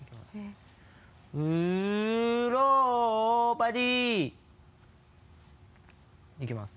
ウローバディいきます。